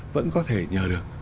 vẫn có thể nhờ được